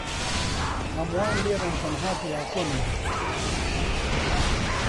هەمووان لێرەن تەنها دیاکۆ نەبێت.